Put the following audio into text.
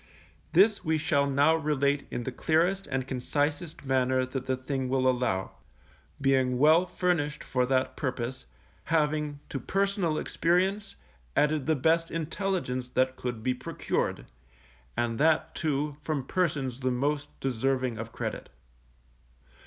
This we shall now relate in the clearest and concisest manner that the thing will allow; being well furnished for that purpose, having to personal experience added the best intelligence that could be procured, and that, too, from persons the most deserving of credit.